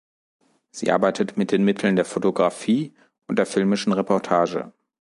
Sie arbeitet mit den Mitteln der Fotografie und der filmischen Reportage.